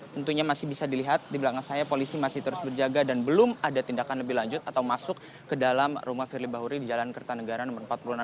tentunya masih bisa dilihat di belakang saya polisi masih terus berjaga dan belum ada tindakan lebih lanjut atau masuk ke dalam rumah firly bahuri di jalan kertanegara no empat puluh enam